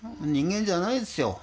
人間じゃないですよ